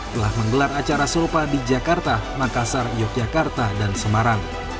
telah menggelar acara serupa di jakarta makassar yogyakarta dan semarang